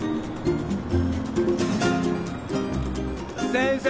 先生。